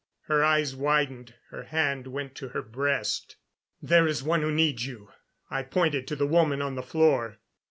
Her eyes widened; her hand went to her breast. "There is one who needs you." I pointed to the woman on the floor.